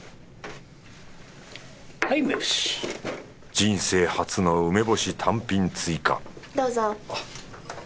人生初の梅干し単品追加どうぞ。